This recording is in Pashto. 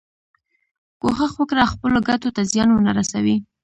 کوښښ وکړه خپلو ګټو ته زیان ونه رسوې.